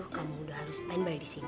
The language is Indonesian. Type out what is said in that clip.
kamu udah harus standby di sini